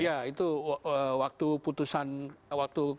ya itu waktu putusan waktu